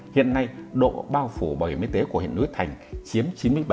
hiện nay độ bao phủ bảo hiểm y tế của huyện núi thành chiếm chín mươi bảy